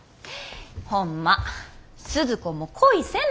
ホンマスズ子も恋せな。